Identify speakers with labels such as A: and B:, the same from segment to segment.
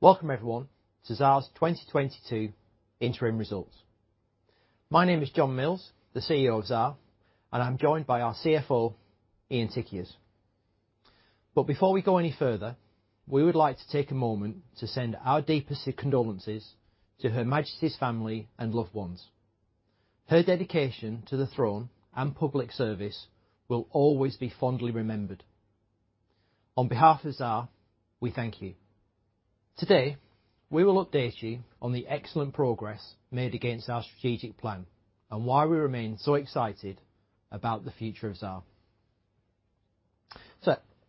A: Welcome, everyone to Xaar's 2022 Interim Results. My name is John Mills, the CEO of Xaar, and I'm joined by our CFO, Ian Tichias. Before we go any further, we would like to take a moment to send our deepest condolences to Her Majesty's family and loved ones. Her dedication to the throne and public service will always be fondly remembered. On behalf of Xaar, we thank you. Today, we will update you on the excellent progress made against our strategic plan and why we remain so excited about the future of Xaar.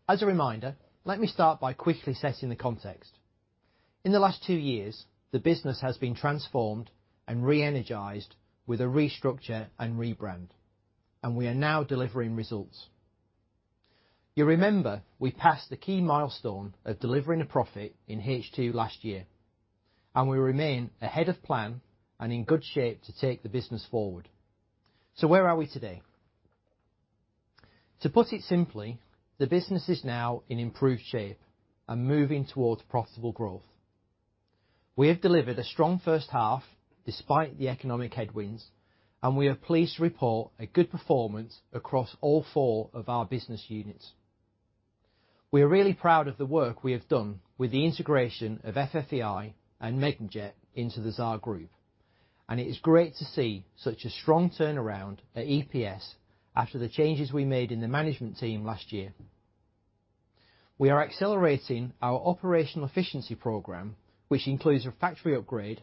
A: As a reminder, let me start by quickly setting the context. In the last two years, the business has been transformed and re-energized with a restructure and rebrand, and we are now delivering results. You remember we passed the key milestone of delivering a profit in H2 last year, and we remain ahead of plan and in good shape to take the business forward. Where are we today? To put it simply, the business is now in improved shape and moving towards profitable growth. We have delivered a strong first half despite the economic headwinds, and we are pleased to report a good performance across all four of our business units. We are really proud of the work we have done with the integration of FFEI and Megnajet into the Xaar Group, and it is great to see such a strong turnaround at EPS after the changes we made in the management team last year. We are accelerating our operational efficiency program, which includes a factory upgrade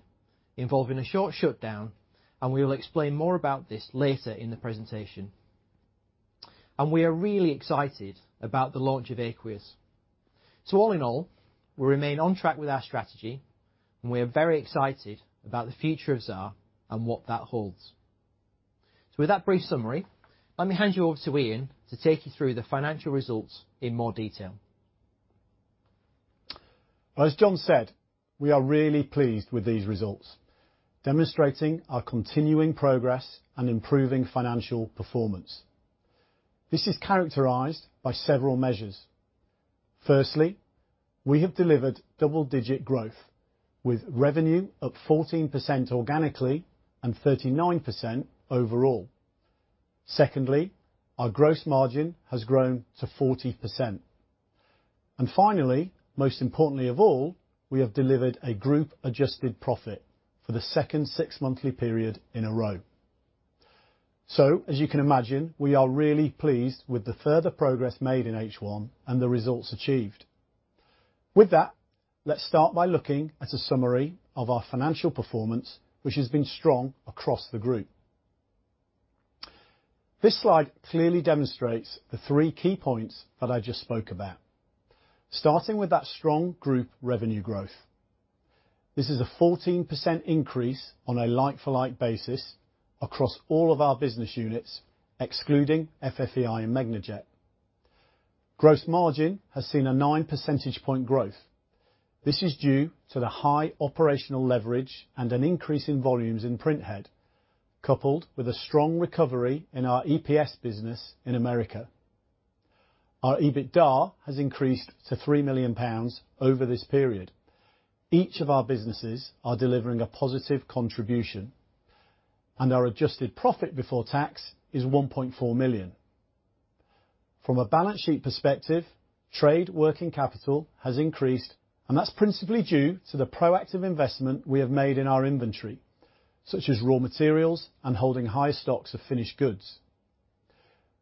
A: involving a short shutdown, and we will explain more about this later in the presentation. We are really excited about the launch of Aquinox. All in all, we remain on track with our strategy, and we are very excited about the future of Xaar and what that holds. With that brief summary, let me hand you over to Ian to take you through the financial results in more detail.
B: Well, as John said, we are really pleased with these results, demonstrating our continuing progress and improving financial performance. This is characterized by several measures. Firstly, we have delivered double-digit growth with revenue up 14% organically and 39% overall. Secondly, our gross margin has grown to 40%. Finally, most importantly of all, we have delivered a group-adjusted profit for the second six-monthly period in a row. As you can imagine, we are really pleased with the further progress made in H1 and the results achieved. With that, let's start by looking at a summary of our financial performance, which has been strong across the group. This slide clearly demonstrates the three key points that I just spoke about. Starting with that strong group revenue growth. This is a 14% increase on a like-for-like basis across all of our business units, excluding FFEI and Megnajet. Gross margin has seen a 9 percentage point growth. This is due to the high operational leverage and an increase in volumes in Printhead, coupled with a strong recovery in our EPS business in America. Our EBITDA has increased to 3 million pounds over this period. Each of our businesses are delivering a positive contribution, and our adjusted profit before tax is 1.4 million. From a balance sheet perspective, trade working capital has increased, and that's principally due to the proactive investment we have made in our inventory, such as raw materials and holding high stocks of finished goods.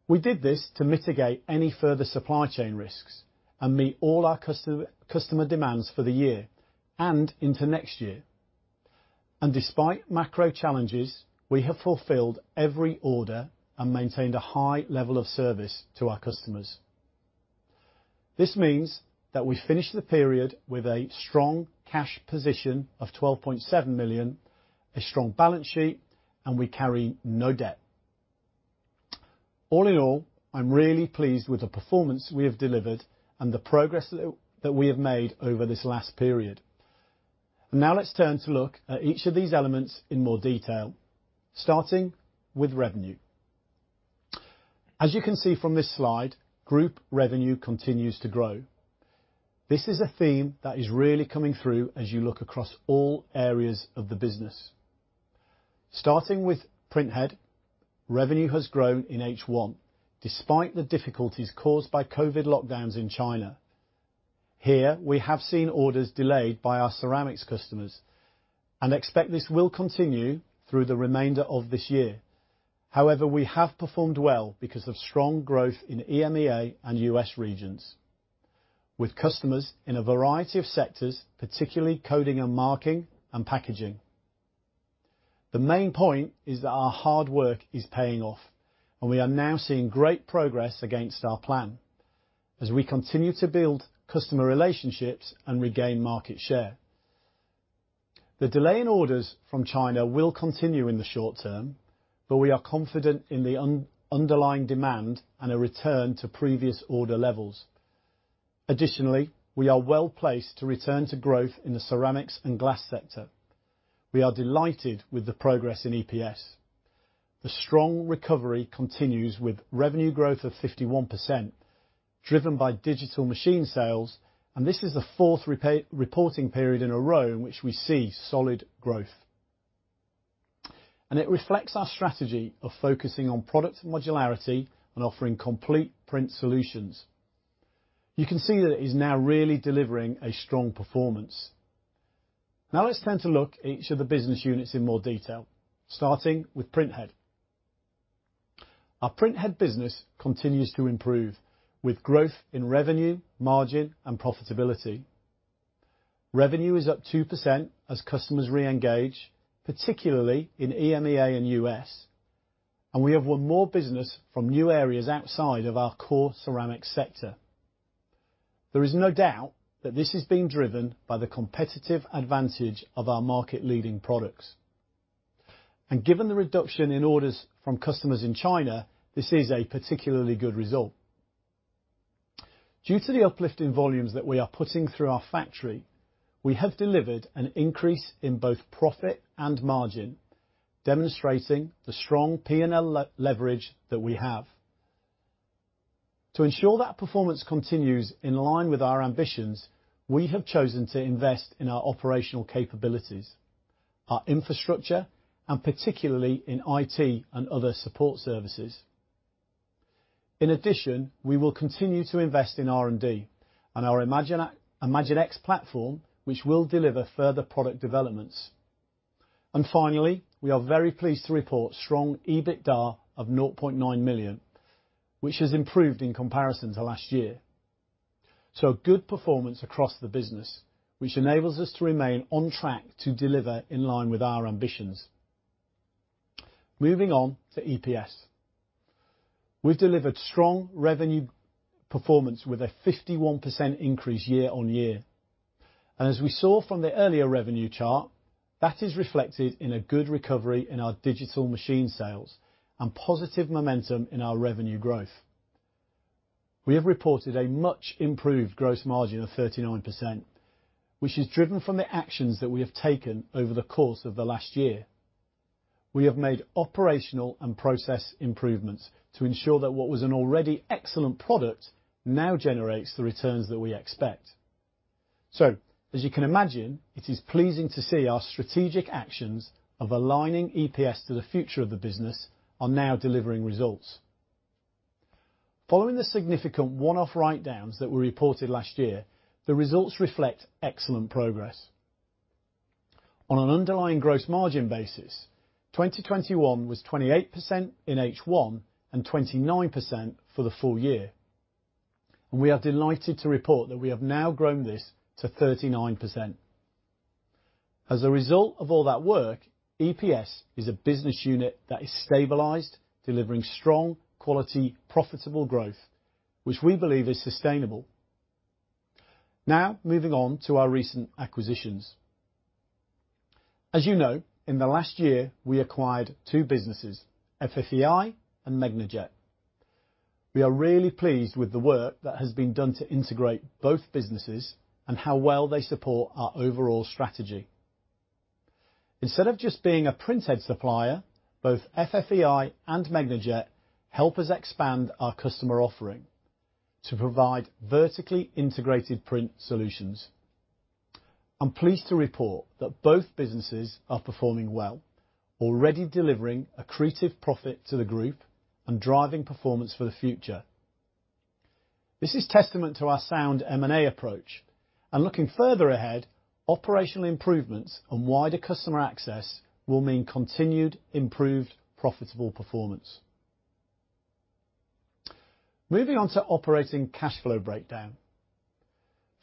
B: We did this to mitigate any further supply chain risks and meet all our customer demands for the year and into next year. Despite macro challenges, we have fulfilled every order and maintained a high level of service to our customers. This means that we finish the period with a strong cash position of 12.7 million, a strong balance sheet, and we carry no debt. All in all, I'm really pleased with the performance we have delivered and the progress that we have made over this last period. Now let's turn to look at each of these elements in more detail, starting with revenue. As you can see from this slide, group revenue continues to grow. This is a theme that is really coming through as you look across all areas of the business. Starting with Printhead, revenue has grown in H1 despite the difficulties caused by COVID lockdowns in China. Here, we have seen orders delayed by our ceramics customers and expect this will continue through the remainder of this year. However, we have performed well because of strong growth in EMEA and U.S. regions with customers in a variety of sectors, particularly coding and marking and packaging. The main point is that our hard work is paying off, and we are now seeing great progress against our plan as we continue to build customer relationships and regain market share. The delay in orders from China will continue in the short term, but we are confident in the underlying demand and a return to previous order levels. Additionally, we are well-placed to return to growth in the ceramics and glass sector. We are delighted with the progress in EPS. The strong recovery continues with revenue growth of 51%, driven by digital machine sales, and this is the fourth reporting period in a row in which we see solid growth. It reflects our strategy of focusing on product modularity and offering complete print solutions. You can see that it is now really delivering a strong performance. Now let's turn to look at each of the business units in more detail, starting with Printhead. Our Printhead business continues to improve, with growth in revenue, margin, and profitability. Revenue is up 2% as customers re-engage, particularly in EMEA and U.S., and we have won more business from new areas outside of our core ceramic sector. There is no doubt that this is being driven by the competitive advantage of our market-leading products. Given the reduction in orders from customers in China, this is a particularly good result. Due to the uplift in volumes that we are putting through our factory, we have delivered an increase in both profit and margin, demonstrating the strong P&L leverage that we have. To ensure that performance continues in line with our ambitions, we have chosen to invest in our operational capabilities, our infrastructure, and particularly in IT and other support services. In addition, we will continue to invest in R&D and our ImagineX platform, which will deliver further product developments. Finally, we are very pleased to report strong EBITDA of 0.9 million, which has improved in comparison to last year. A good performance across the business, which enables us to remain on track to deliver in line with our ambitions. Moving on to EPS. We've delivered strong revenue performance with a 51% increase year-on-year. As we saw from the earlier revenue chart, that is reflected in a good recovery in our digital machine sales and positive momentum in our revenue growth. We have reported a much improved gross margin of 39%, which is driven from the actions that we have taken over the course of the last year. We have made operational and process improvements to ensure that what was an already excellent product now generates the returns that we expect. As you can imagine, it is pleasing to see our strategic actions of aligning EPS to the future of the business are now delivering results. Following the significant one-off write-downs that were reported last year, the results reflect excellent progress. On an underlying gross margin basis, 2021 was 28% in H1 and 29% for the full year. We are delighted to report that we have now grown this to 39%. As a result of all that work, EPS is a business unit that is stabilized, delivering strong, quality, profitable growth, which we believe is sustainable. Now moving on to our recent acquisitions. As you know, in the last year, we acquired two businesses: FFEI and Megnajet. We are really pleased with the work that has been done to integrate both businesses and how well they support our overall strategy. Instead of just being a printhead supplier, both FFEI and Megnajet help us expand our customer offering to provide vertically integrated print solutions. I'm pleased to report that both businesses are performing well, already delivering accretive profit to the group and driving performance for the future. This is testament to our sound M&A approach, and looking further ahead, operational improvements and wider customer access will mean continued improved profitable performance. Moving on to operating cash flow breakdown.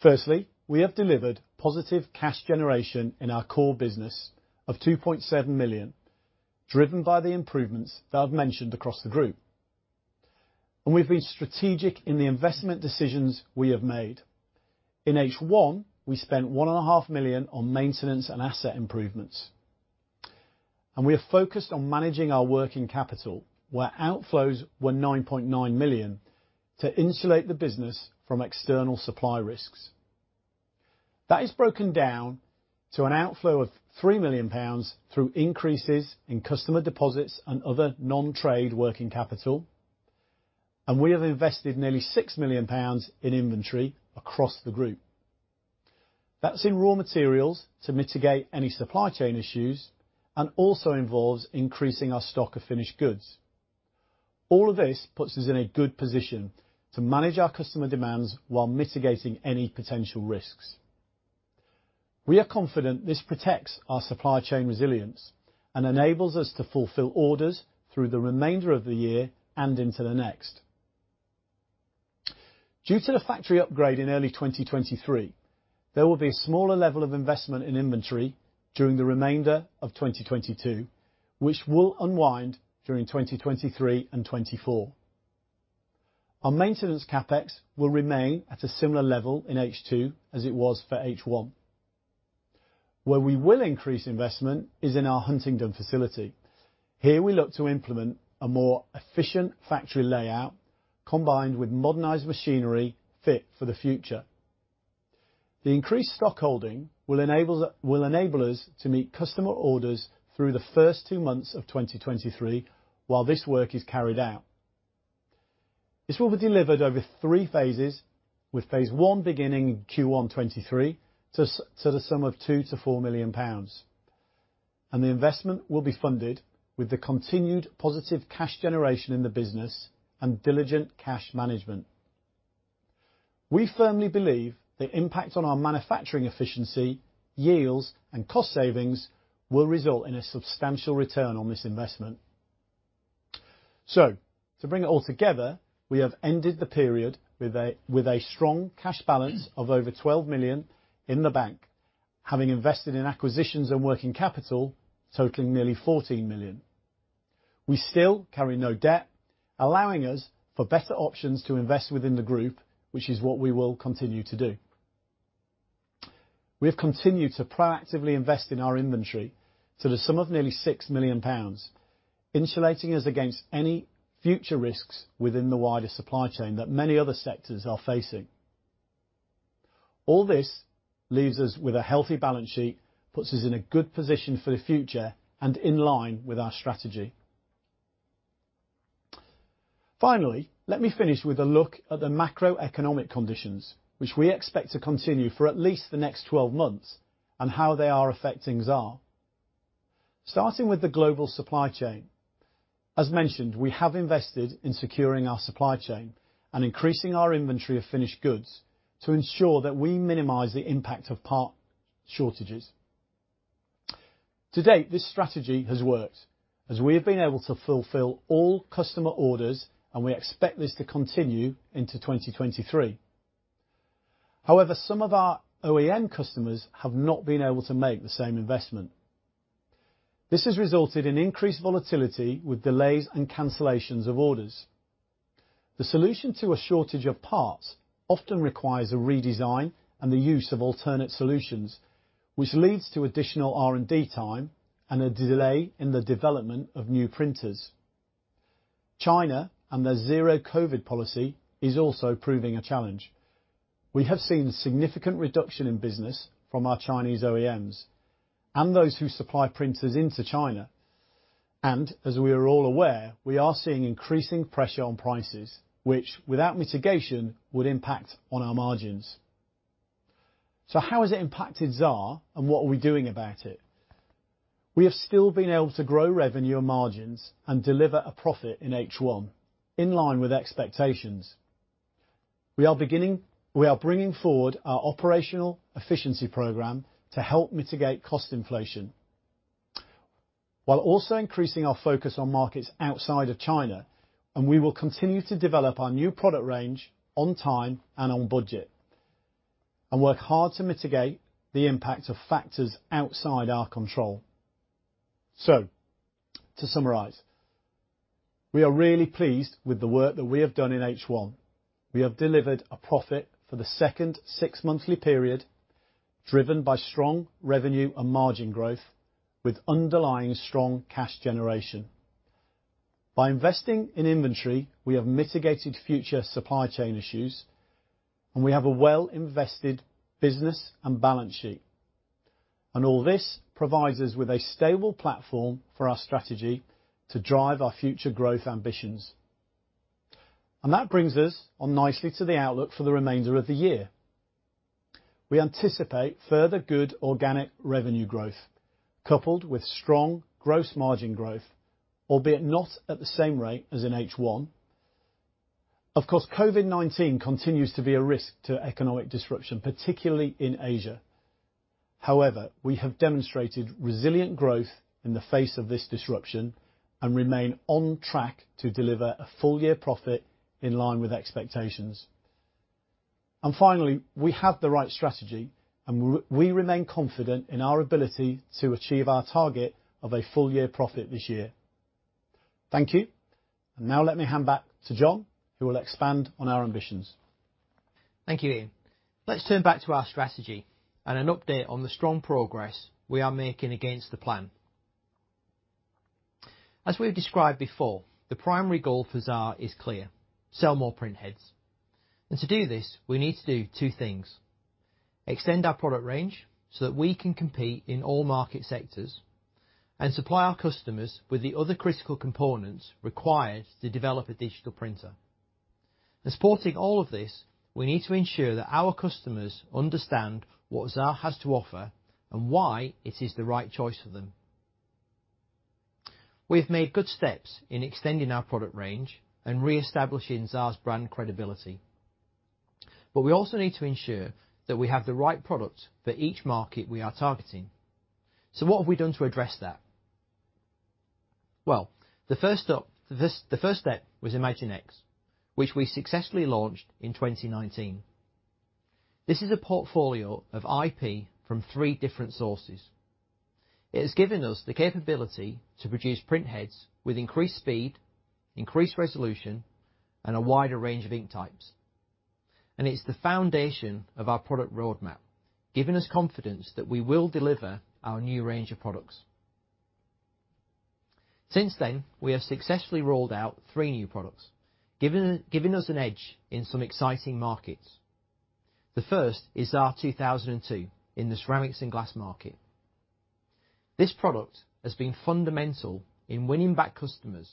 B: Firstly, we have delivered positive cash generation in our core business of 2.7 million, driven by the improvements that I've mentioned across the group. We've been strategic in the investment decisions we have made. In H1, we spent 1.5 million on maintenance and asset improvements. We are focused on managing our working capital, where outflows were 9.9 million, to insulate the business from external supply risks. That is broken down to an outflow of 3 million pounds through increases in customer deposits and other non-trade working capital. We have invested nearly 6 million pounds in inventory across the group. That's in raw materials to mitigate any supply chain issues and also involves increasing our stock of finished goods. All of this puts us in a good position to manage our customer demands while mitigating any potential risks. We are confident this protects our supply chain resilience and enables us to fulfill orders through the remainder of the year and into the next. Due to the factory upgrade in early 2023, there will be a smaller level of investment in inventory during the remainder of 2022, which will unwind during 2023 and 2024. Our maintenance CapEx will remain at a similar level in H2 as it was for H1. Where we will increase investment is in our Huntingdon facility. Here, we look to implement a more efficient factory layout combined with modernized machinery fit for the future. The increased stockholding will enable us to meet customer orders through the first two months of 2023 while this work is carried out. This will be delivered over three phases, with phase one beginning Q1 2023 to the sum of 2-4 million pounds. The investment will be funded with the continued positive cash generation in the business and diligent cash management. We firmly believe the impact on our manufacturing efficiency, yields, and cost savings will result in a substantial return on this investment. To bring it all together, we have ended the period with a strong cash balance of over 12 million in the bank, having invested in acquisitions and working capital totaling nearly 14 million. We still carry no debt, allowing us for better options to invest within the group, which is what we will continue to do. We have continued to proactively invest in our inventory to the sum of nearly 6 million pounds, insulating us against any future risks within the wider supply chain that many other sectors are facing. All this leaves us with a healthy balance sheet, puts us in a good position for the future and in line with our strategy. Finally, let me finish with a look at the macroeconomic conditions which we expect to continue for at least the next 12 months and how they are affecting Xaar. Starting with the global supply chain, as mentioned, we have invested in securing our supply chain and increasing our inventory of finished goods to ensure that we minimize the impact of part shortages. To date, this strategy has worked as we have been able to fulfill all customer orders, and we expect this to continue into 2023. However, some of our OEM customers have not been able to make the same investment. This has resulted in increased volatility with delays and cancellations of orders. The solution to a shortage of parts often requires a redesign and the use of alternate solutions, which leads to additional R&D time and a delay in the development of new printers. China and their zero COVID-19 policy is also proving a challenge. We have seen significant reduction in business from our Chinese OEMs and those who supply printers into China. As we are all aware, we are seeing increasing pressure on prices which, without mitigation, would impact on our margins. How has it impacted Xaar, and what are we doing about it? We have still been able to grow revenue and margins and deliver a profit in H1 in line with expectations. We are bringing forward our operational efficiency program to help mitigate cost inflation while also increasing our focus on markets outside of China. We will continue to develop our new product range on time and on budget, and work hard to mitigate the impact of factors outside our control. To summarize, we are really pleased with the work that we have done in H1. We have delivered a profit for the second six-monthly period, driven by strong revenue and margin growth with underlying strong cash generation. By investing in inventory, we have mitigated future supply chain issues, and we have a well-invested business and balance sheet. All this provides us with a stable platform for our strategy to drive our future growth ambitions. That brings us on nicely to the outlook for the remainder of the year. We anticipate further good organic revenue growth coupled with strong gross margin growth, albeit not at the same rate as in H1. Of course, COVID-19 continues to be a risk to economic disruption, particularly in Asia. However, we have demonstrated resilient growth in the face of this disruption and remain on track to deliver a full year profit in line with expectations. Finally, we have the right strategy, and we remain confident in our ability to achieve our target of a full year profit this year. Thank you. Now let me hand back to John, who will expand on our ambitions.
A: Thank you, Ian. Let's turn back to our strategy and an update on the strong progress we are making against the plan. As we've described before, the primary goal for Xaar is clear. Sell more print heads. To do this, we need to do two things. Extend our product range so that we can compete in all market sectors, and supply our customers with the other critical components required to develop a digital printer. Supporting all of this, we need to ensure that our customers understand what Xaar has to offer and why it is the right choice for them. We have made good steps in extending our product range and reestablishing Xaar's brand credibility, but we also need to ensure that we have the right product for each market we are targeting. What have we done to address that? Well, the first step was ImagineX, which we successfully launched in 2019. This is a portfolio of IP from three different sources. It has given us the capability to produce print heads with increased speed, increased resolution, and a wider range of ink types. It's the foundation of our product roadmap, giving us confidence that we will deliver our new range of products. Since then, we have successfully rolled out three new products, giving us an edge in some exciting markets. The first is our 2002 in the ceramics and glass market. This product has been fundamental in winning back customers,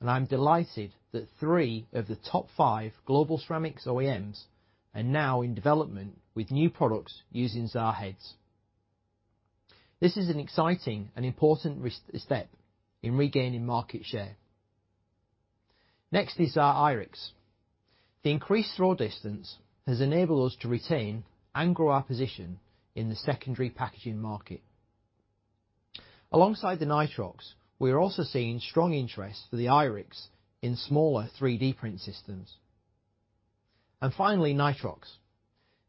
A: and I'm delighted that three of the top five global ceramics OEMs are now in development with new products using Xaar heads. This is an exciting and important step in regaining market share. Next is our Irix. The increased throw distance has enabled us to retain and grow our position in the secondary packaging market. Alongside the Nitrox, we are also seeing strong interest for the Irix in smaller 3D print systems. Finally, Nitrox.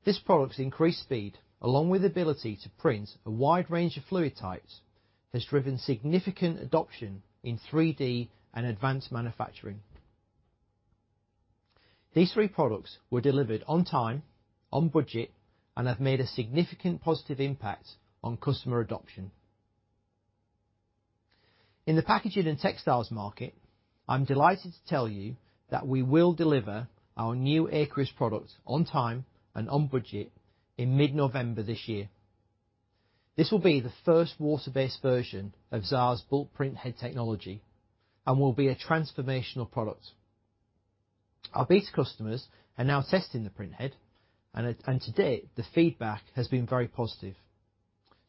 A: This product's increased speed, along with ability to print a wide range of fluid types, has driven significant adoption in 3D and advanced manufacturing. These three products were delivered on time, on budget, and have made a significant positive impact on customer adoption. In the packaging and textiles market, I'm delighted to tell you that we will deliver our new aqueous product on time and on budget in mid-November this year. This will be the first water-based version of Xaar's bulk printhead technology and will be a transformational product. Our beta customers are now testing the printhead, and to date, the feedback has been very positive.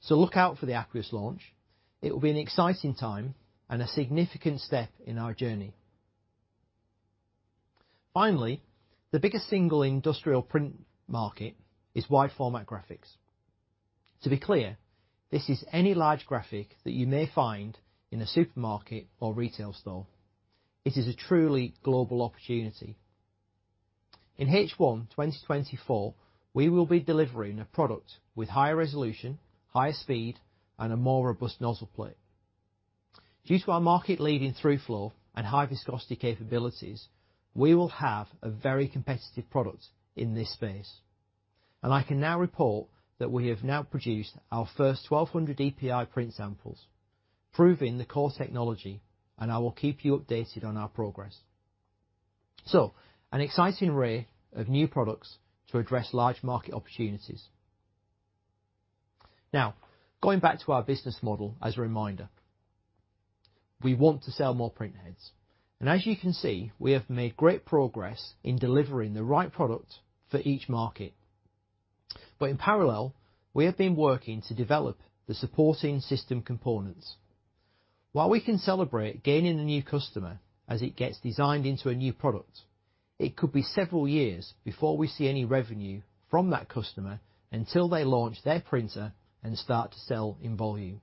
A: Look out for the aqueous launch. It will be an exciting time and a significant step in our journey. Finally, the biggest single industrial print market is wide-format graphics. To be clear, this is any large graphic that you may find in a supermarket or retail store. It is a truly global opportunity. In H1 2024, we will be delivering a product with higher resolution, higher speed, and a more robust nozzle plate. Due to our market-leading through flow and high viscosity capabilities, we will have a very competitive product in this space. I can now report that we have now produced our first 1200 DPI print samples, proving the core technology, and I will keep you updated on our progress. An exciting array of new products to address large market opportunities. Now, going back to our business model as a reminder, we want to sell more printheads. As you can see, we have made great progress in delivering the right product for each market. In parallel, we have been working to develop the supporting system components. While we can celebrate gaining a new customer as it gets designed into a new product, it could be several years before we see any revenue from that customer until they launch their printer and start to sell in volume.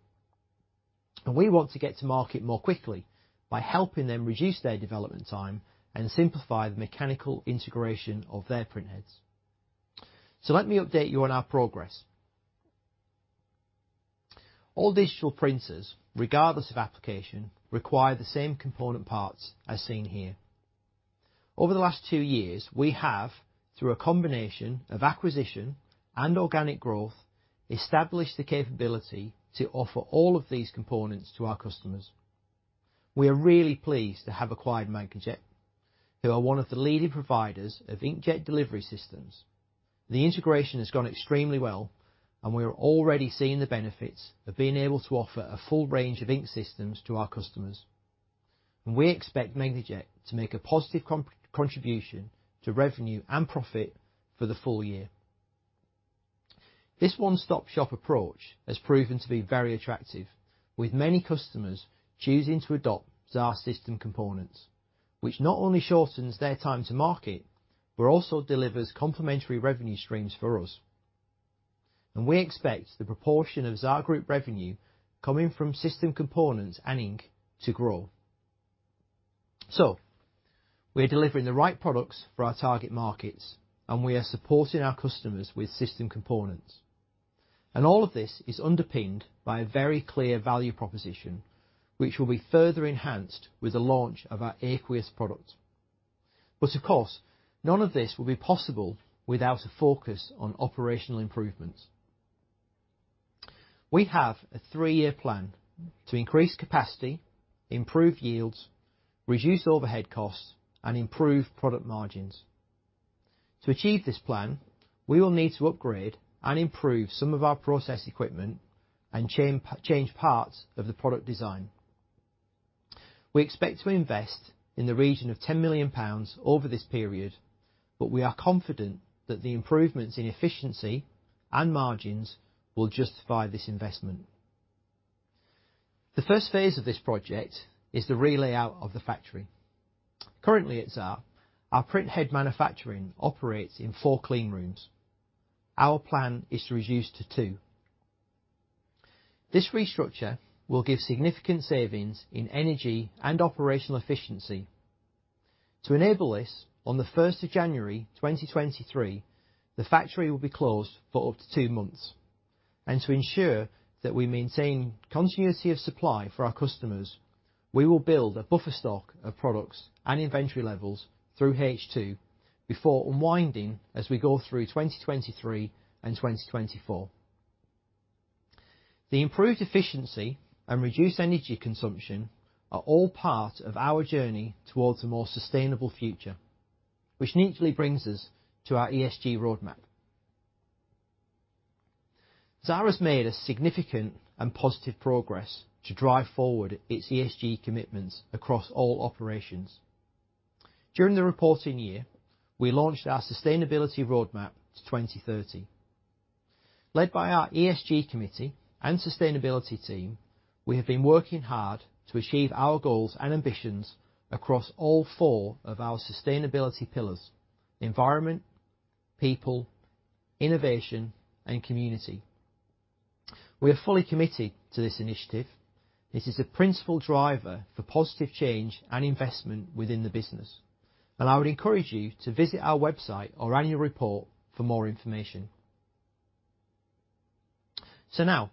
A: We want to get to market more quickly by helping them reduce their development time and simplify the mechanical integration of their printheads. Let me update you on our progress. All digital printers, regardless of application, require the same component parts as seen here. Over the last two years, we have, through a combination of acquisition and organic growth, established the capability to offer all of these components to our customers. We are really pleased to have acquired Megnajet, who are one of the leading providers of inkjet delivery systems. The integration has gone extremely well, and we are already seeing the benefits of being able to offer a full range of ink systems to our customers. We expect Megnajet to make a positive contribution to revenue and profit for the full year. This one-stop-shop approach has proven to be very attractive, with many customers choosing to adopt Xaar system components, which not only shortens their time to market, but also delivers complementary revenue streams for us. We expect the proportion of Xaar Group revenue coming from system components and ink to grow. We are delivering the right products for our target markets, and we are supporting our customers with system components. All of this is underpinned by a very clear value proposition, which will be further enhanced with the launch of our aqueous product. Of course, none of this will be possible without a focus on operational improvements. We have a three-year plan to increase capacity, improve yields, reduce overhead costs, and improve product margins. To achieve this plan, we will need to upgrade and improve some of our process equipment and change parts of the product design. We expect to invest in the region of 10 million pounds over this period, but we are confident that the improvements in efficiency and margins will justify this investment. The first phase of this project is the re-layout of the factory. Currently at Xaar, our Printhead manufacturing operates in four clean rooms. Our plan is to reduce to two. This restructure will give significant savings in energy and operational efficiency. To enable this, on the first of January 2023, the factory will be closed for up to two months. To ensure that we maintain continuity of supply for our customers, we will build a buffer stock of products and inventory levels through H2 before unwinding as we go through 2023 and 2024. The improved efficiency and reduced energy consumption are all part of our journey towards a more sustainable future, which neatly brings us to our ESG roadmap. Xaar has made a significant and positive progress to drive forward its ESG commitments across all operations. During the reporting year, we launched our sustainability roadmap to 2030. Led by our ESG committee and sustainability team, we have been working hard to achieve our goals and ambitions across all four of our sustainability pillars, environment, people, innovation, and community. We are fully committed to this initiative. This is a principal driver for positive change and investment within the business, and I would encourage you to visit our website or annual report for more information. Now,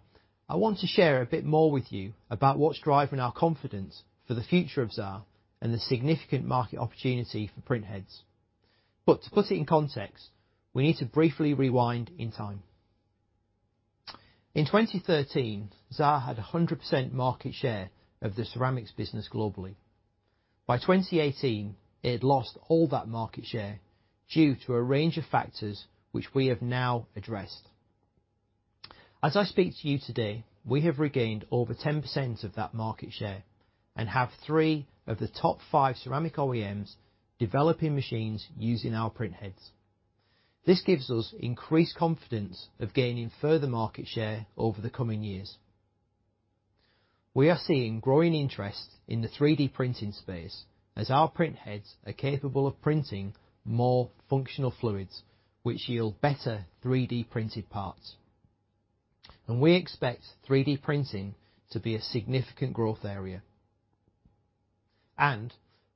A: I want to share a bit more with you about what's driving our confidence for the future of Xaar and the significant market opportunity for printheads. To put it in context, we need to briefly rewind in time. In 2013, Xaar had 100% market share of the ceramics business globally. By 2018, it had lost all that market share due to a range of factors which we have now addressed. As I speak to you today, we have regained over 10% of that market share and have three of the top five ceramic OEMs developing machines using our printheads. This gives us increased confidence of gaining further market share over the coming years. We are seeing growing interest in the 3D printing space as our printheads are capable of printing more functional fluids which yield better 3D printed parts. We expect 3D printing to be a significant growth area.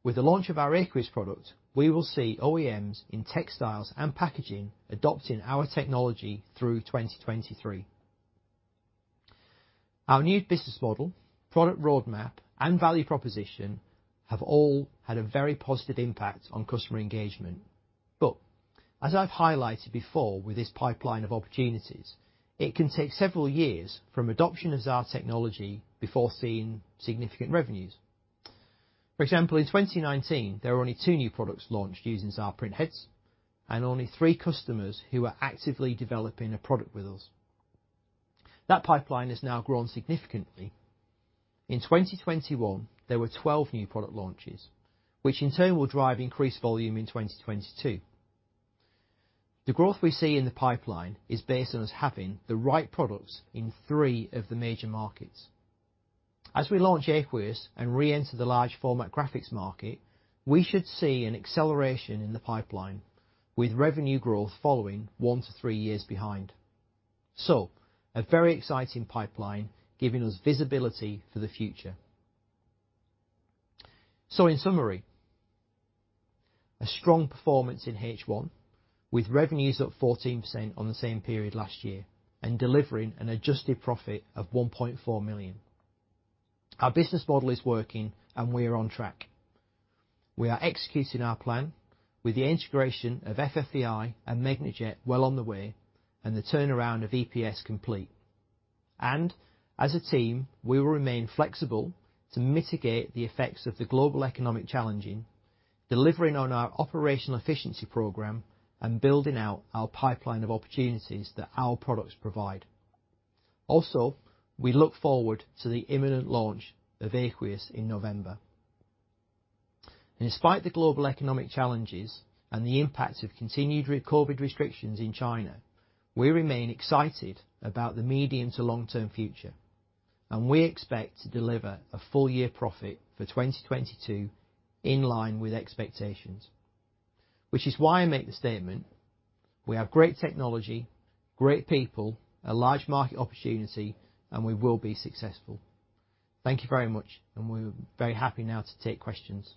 A: With the launch of our Aquinox product, we will see OEMs in textiles and packaging adopting our technology through 2023. Our new business model, product roadmap, and value proposition have all had a very positive impact on customer engagement. As I've highlighted before with this pipeline of opportunities, it can take several years from adoption of Xaar technology before seeing significant revenues. For example, in 2019, there were only two new products launched using Xaar printheads and only three customers who were actively developing a product with us. That pipeline has now grown significantly. In 2021, there were 12 new product launches, which in turn will drive increased volume in 2022. The growth we see in the pipeline is based on us having the right products in three of the major markets. As we launch Aquinox and reenter the wide-format graphics market, we should see an acceleration in the pipeline, with revenue growth following one to three years behind. A very exciting pipeline giving us visibility for the future. In summary, a strong performance in H1 with revenues up 14% on the same period last year and delivering an adjusted profit of 1.4 million. Our business model is working and we are on track. We are executing our plan with the integration of FFEI and Megnajet well on the way and the turnaround of EPS complete. As a team, we will remain flexible to mitigate the effects of the global economic challenges, delivering on our operational efficiency program and building out our pipeline of opportunities that our products provide. Also, we look forward to the imminent launch of Aquinox in November. In spite of the global economic challenges and the impacts of continued COVID restrictions in China, we remain excited about the medium to long-term future, and we expect to deliver a full-year profit for 2022 in line with expectations. Which is why I make the statement, we have great technology, great people, a large market opportunity, and we will be successful. Thank you very much, and we're very happy now to take questions.